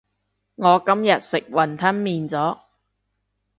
我今日食雲吞麵咗